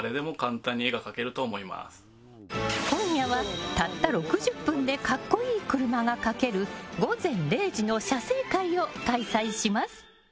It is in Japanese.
今夜はたった６０分で格好いい車が描ける午前０時の写生会を開催します。